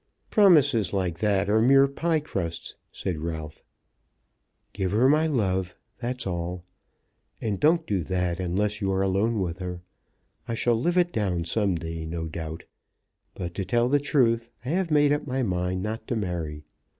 "Promises like that are mere pie crusts," said Ralph. "Give her my love; that's all. And don't do that unless you're alone with her. I shall live it down some day, no doubt, but to tell the truth I have made up my mind not to marry.